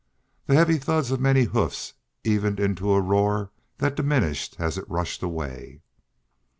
The heavy thuds of many hoofs evened into a roar that diminished as it rushed away.